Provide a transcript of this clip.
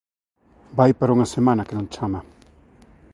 Vai para unha semana que non chama